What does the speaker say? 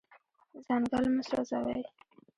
ځنګل مه سوځوئ.